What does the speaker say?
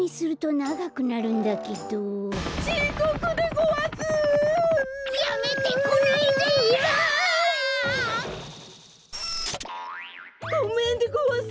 ごめんでごわす。